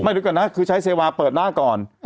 ไม่ออกก่อนนะคือชัยเซวาเปิดหน้าก่อน